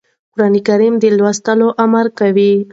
قرآن د لوست امر کوي.